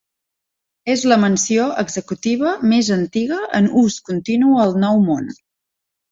És la mansió executiva més antiga en ús continu al Nou Món.